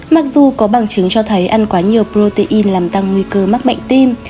mặc dù có bằng chứng cho thấy ăn quá nhiều protein làm tăng nguy cơ mắc bệnh tim